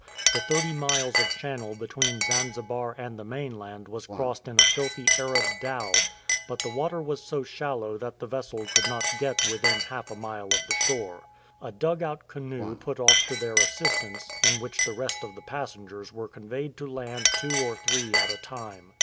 The thirty miles of channel between Zanzibar and the mainland was crossed in a filthy Arab dhow, but the water was so shallow that the vessel could not get within half a mile of the shore. A dug out canoe put off to their assistance, in which the rest of the passengers were conveyed to land two or three at a time.